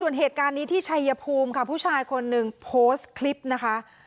ส่วนเหตุการณ์นี้ที่ชัยภูมิค่ะผู้ชายคนหนึ่งโพสต์คลิปนะคะ